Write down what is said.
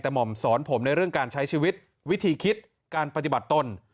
แต่ห่อมสอนผมในเรื่องการใช้ชีวิตวิธีคิดการปฏิบัติตน